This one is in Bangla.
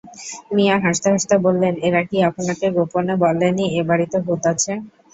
মিয়া হাসতে-হাসতে বললেন, এরা কি আপনাকে গোপনে বলে নি এ-বাড়িতে ভূত আছে?